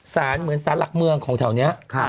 ศาลเหมือนศาลหลักเมืองของแถวเนี้ยค่ะ